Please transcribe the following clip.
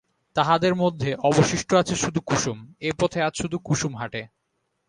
তাহদের মধ্যে অবশিষ্ট আছে শুধু কুসুম, এ পথে আজ শুধু কুসুম হাটে।